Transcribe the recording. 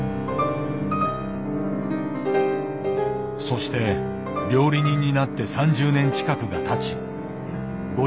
そして料理人になって３０年近くがたち５０歳を過ぎた頃。